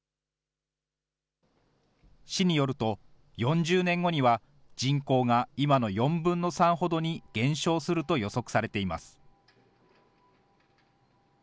市によると、４０年後には人口が今の４分の３ほどに減少すると予測されています。